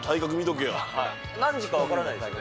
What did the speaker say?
何時か分からないですよね。